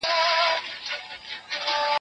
زه اوږده وخت تمرين کوم!.